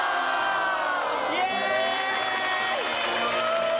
イエーイ！